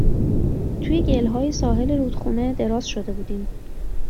توی گِلهای ساحل رودخونه دراز شده بودیم